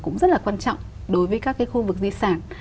cũng rất là quan trọng đối với các cái khu vực di sản